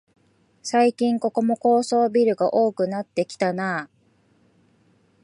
最近ここも高層ビルが多くなってきたなあ